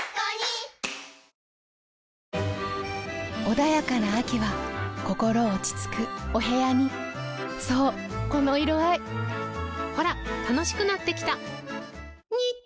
穏やかな秋は心落ち着くお部屋にそうこの色合いほら楽しくなってきた！